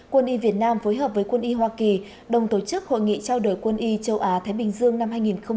quân y việt nam phối hợp với quân y hoa kỳ đồng tổ chức hội nghị trao đổi quân y châu á thái bình dương năm hai nghìn hai mươi